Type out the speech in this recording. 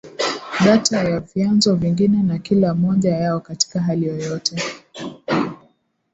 data ya vyanzo vingine na kila moja yao katika hali yoyote